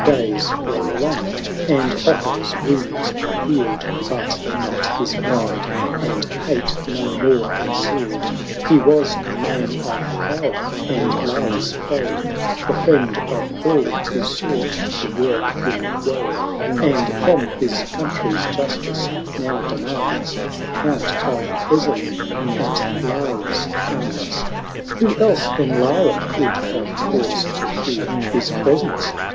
VII. Days roll along, and Otho's wounds are healed, But not his pride, and hate no more concealed: He was a man of power, and Lara's foe, The friend of all who sought to work him woe, And from his country's justice now demands Account of Ezzelin at Lara's hands. Who else than Lara could have cause to fear His presence?